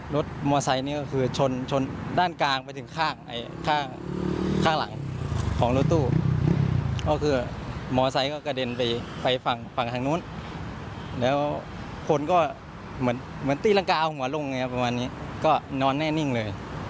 รถมอไซค์นี้ก็คือชนชนด้านกลางไปถึงข้างข้างหลังของรถตู้ก็คือมอไซค์ก็กระเด็นไปฝั่งฝั่งทางนู้นแล้วคนก็เหมือนเหมือนตีรังกาเอาหัวลงประมาณนี้ก็นอนแน่นิ่งเลย